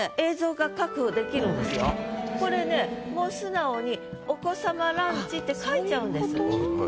これねもう素直に「お子様ランチ」って書いちゃうんです。